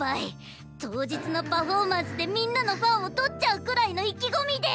当日のパフォーマンスでみんなのファンを取っちゃうぐらいの意気込みで！